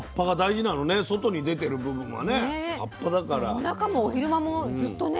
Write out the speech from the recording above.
でも夜中も昼間もずっとね。